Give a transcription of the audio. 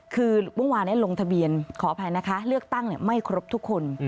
คือเมื่อวานลงทะเบียนขออภัยนะคะเลือกตั้งไม่ครบทุกคน